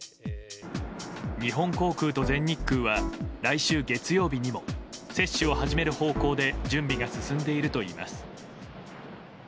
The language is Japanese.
日本航空と全日空は来週月曜日にも接種を始める方向で準備が進んでいるといいます。